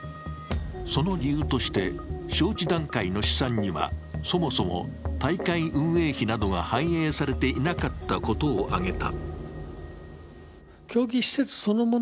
その理由として、招致段階の試算にはそもそも大会運営費などが反映されていなかったことを挙げた。